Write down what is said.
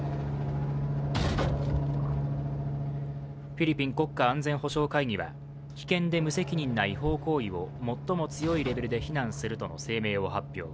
フィリピン国家安全保障会議は危険で無責任な違法行為を最も強いレベルで非難するとの声明を発表。